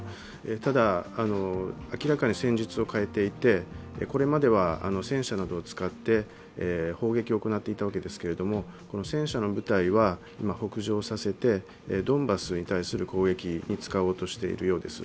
ただ、明らかに戦術を変えていてこれまでは、戦車などを使って砲撃を行っていたわけですけれども、戦車の部隊は今北上させて、ドンバスに対する攻撃に使おうとしているようです。